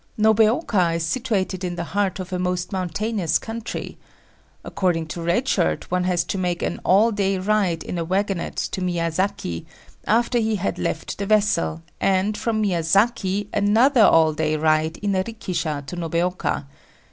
Nobeoka is situated in the heart of a most mountainous country. According to Red Shirt, one has to make an all day ride in a wagonette to Miyazaki, after he had left the vessel, and from Miyazaki another all day ride in a rikisha to Nobeoka.